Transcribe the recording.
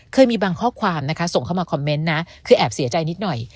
เคยมีบางข้อความนะคะส่งเข้ามาคอมเมนต์นะคือแอบเสียใจนิดหน่อย